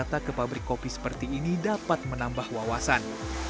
wisata ke pabrik kopi seperti ini dapat menambah wawasan